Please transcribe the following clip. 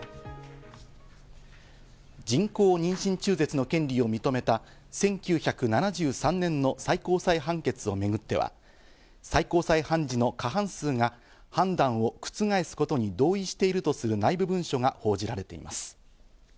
人工妊娠中絶の権利を認めた１９７３年の最高裁判決をめぐっては、最高裁判事の過半数が判断を覆すことに同意しているとする内部文書が報じられています。